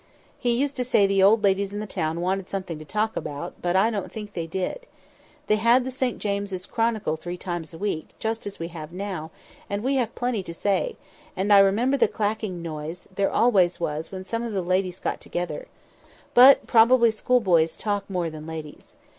He used to say the old ladies in the town wanted something to talk about; but I don't think they did. They had the St James's Chronicle three times a week, just as we have now, and we have plenty to say; and I remember the clacking noise there always was when some of the ladies got together. But, probably, schoolboys talk more than ladies.